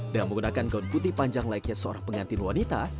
dan menggunakan gaun putih panjang layaknya seorang pengantin wanita